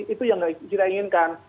itu yang kita inginkan